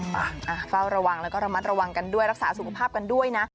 เฝ้าระวังแล้วก็ระมัดระวังกันด้วยรักษาสุขภาพกันด้วยนะ